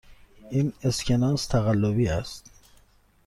این اسکناس تقلبی است.